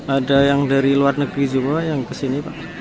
ada yang dari luar negeri juga yang kesini pak